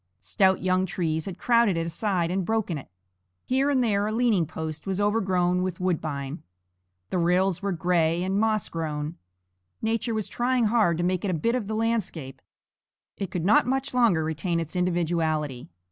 Stout young trees had crowded it aside and broken it. Here and there a leaning post was overgrown with woodbine. The rails were gray and moss grown. Nature was trying hard to make it a bit of the landscape; it could not much longer retain its individuality.